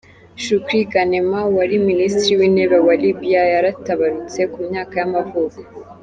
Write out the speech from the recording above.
Shukri Ghanem, wari minisitiri w’intebe wa Libya yaratabarutse, ku myaka y’amavuko.